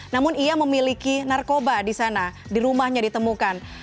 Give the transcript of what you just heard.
namun ia memiliki narkoba di sana di rumahnya ditemukan